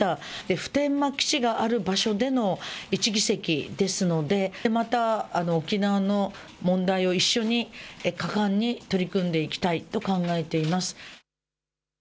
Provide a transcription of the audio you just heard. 普天間基地がある場所での１議席ですので、また、沖縄の問題を一緒に果敢に取り組んでいきたいと考えています。